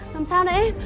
làm sao đấy em